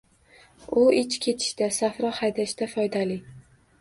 U ich ketishda, safro haydashda foydali.